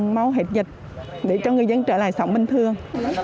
mau hết dịch để cho người dân trở lại sống bình thường